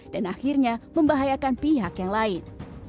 dan akhirnya membahayakan pihak yang lain